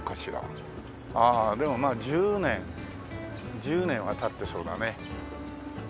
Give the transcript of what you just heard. ああでもまあ１０年１０年は経ってそうだね。